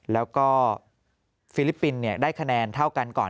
แล้วก็ฟิลิปปินส์ได้คะแนนเท่ากันก่อน